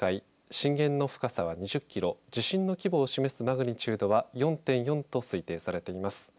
震源の深さは２０キロ地震の規模を示すマグニチュードは４．４と推定されています。